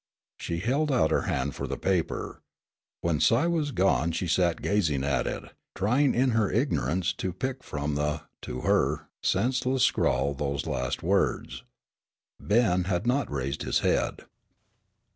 She held out her hand for the paper. When Si was gone she sat gazing at it, trying in her ignorance to pick from the, to her, senseless scrawl those last words. Ben had not raised his head.